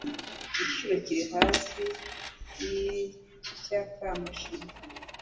igiciro kiri hasi yi cy'akamashini.